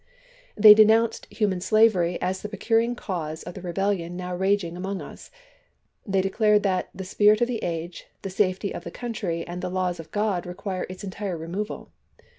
They denounced " human slavery as the procuring cause of the rebellion now raging among us "; they declared that " the spirit of the age, the safety of the country, and the laws of Grod require its entire removal."